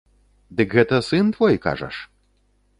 Дык гэта сын твой, кажаш?